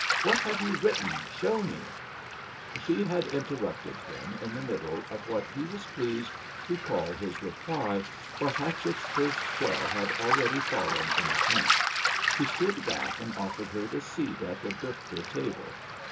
What have you written? Show mel^' She had interrupted him in the middle of what he was pleased to call his reply; for Hatchett's first shell had already fallen in the camp. He stood back and offered her the seat at the duftar table.